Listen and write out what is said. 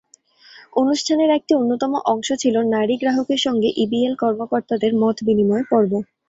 অনুষ্ঠানের একটি অন্যতম অংশ ছিল নারী গ্রাহকের সঙ্গে ইবিএল কর্মকর্তাদের মতবিনিময় পর্ব।